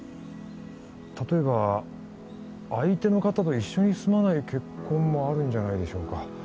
例えば相手の方と一緒に住まない結婚もあるんじゃないでしょうか？